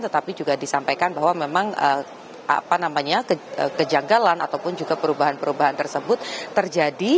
tetapi juga disampaikan bahwa memang kejanggalan ataupun juga perubahan perubahan tersebut terjadi